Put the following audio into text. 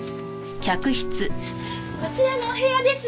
こちらのお部屋です。